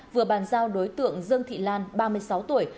vừa bàn giao đối tượng dương thị lan ba mươi sáu tuổi